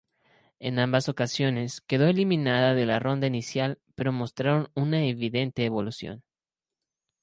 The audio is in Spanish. En ambas ocasiones quedó eliminada en la ronda inicial, pero mostrando una evidente evolución.